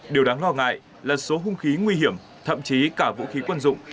điều đáng lo ngại là số hung khí nguy hiểm thậm chí cả vũ khí quân dụng